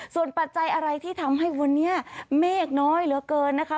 ส่วนปัจจัยอะไรที่ทำให้วันนี้เมฆน้อยเหลือเกินนะคะ